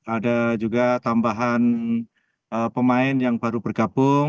ada juga tambahan pemain yang baru bergabung